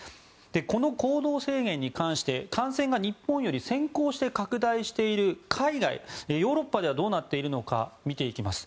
この行動制限に関して感染が日本より先行して拡大している海外ヨーロッパではどうなっているのか見ていきます。